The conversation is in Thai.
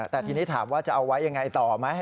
แต่ทีนี้ถามว่าจะเอาไว้ยังไงต่อไหม